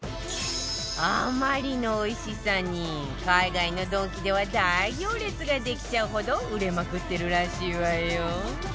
あまりのおいしさに海外のドンキでは大行列ができちゃうほど売れまくってるらしいわよ